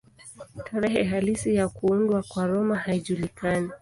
Tarehe halisi ya kuundwa kwa Roma haijulikani.